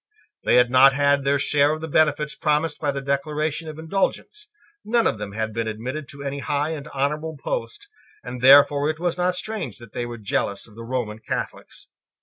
They had not had their share of the benefits promised by the Declaration of Indulgence: none of them had been admitted to any high and honourable post; and therefore it was not strange that they were jealous of the Roman Catholics.